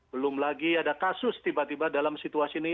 belum lagi ada kasus tiba tiba dalam situasi ini